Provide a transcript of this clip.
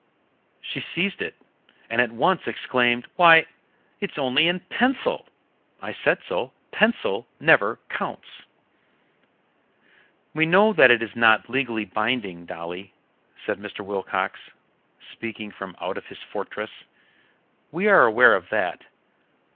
She seized it, and at once exclaimed: "Why, it's only in pencil! I said so. Pencil never counts." "We know that it is not legally binding, Dolly," said Mr. Wilcox, speaking from out of his fortress. "We are aware of that.